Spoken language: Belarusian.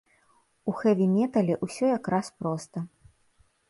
У хэві-метале ўсё як раз проста.